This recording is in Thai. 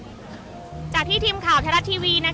เชื่อหรือเกินค่ะคุณผู้ชมว่าข้ามคืนนี้นะคะแสงเพียรนับพันนับร้อยเล่มนะคะ